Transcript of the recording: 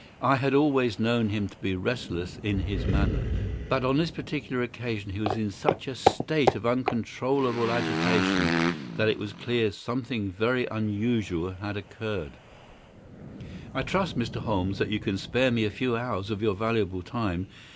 I had always known him to be restless in his manner, but on this particular occasion he was in such a state of uncontrollable agitation that it was clear something very unusual had occurred. "I trust, Mr. Holmes, that you can spare me a few hours of your valuable time.